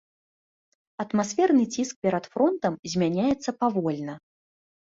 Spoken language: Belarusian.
Атмасферны ціск перад фронтам змяняецца павольна.